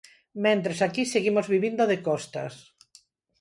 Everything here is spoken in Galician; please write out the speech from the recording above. Mentres, aquí, seguimos vivindo de costas.